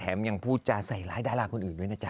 แถมพูดจะใส่ร้ายดรรลาคนอื่นด้วยนะจ้ะ